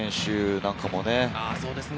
梶谷選手なんかもね。